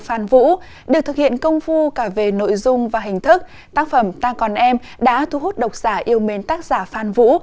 phan vũ được thực hiện công phu cả về nội dung và hình thức tác phẩm ta còn em đã thu hút độc giả yêu mến tác giả phan vũ